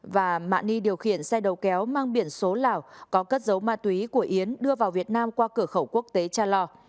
và mạ ni điều khiển xe đầu kéo mang biển số lào có cất dấu ma túy của yến đưa vào việt nam qua cửa khẩu quốc tế cha lo